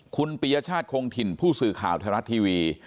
คุณพิญญชาชคงถิ่นผู้สื่อข่าวทารัททีวี